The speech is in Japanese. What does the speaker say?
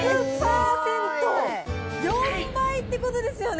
４倍ってことですよね？